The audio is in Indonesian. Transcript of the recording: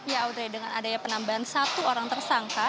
ya audre dengan adanya penambahan satu orang tersangka